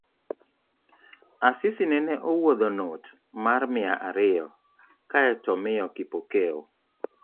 Asisi nene owuodho not mar mia ariyo kae tomiyo Kipokeo